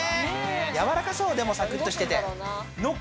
柔らかそう、でもサクっとしてて。